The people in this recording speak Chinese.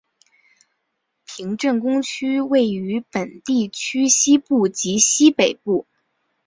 平镇工业区位于本地区西部及西北部。